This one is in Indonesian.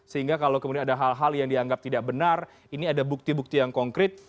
sehingga kalau kemudian ada hal hal yang dianggap tidak benar ini ada bukti bukti yang konkret